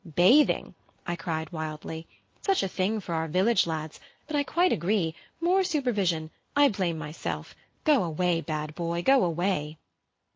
"Bathing!" I cried wildly. "Such a thing for our village lads, but I quite agree more supervision I blame myself. Go away, bad boy, go away!"